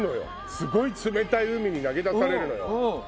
すごい冷たい海に投げ出されるのよ。